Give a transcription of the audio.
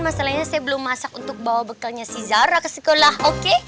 masalahnya saya belum masak untuk bawa bekalnya si zara ke sekolah oke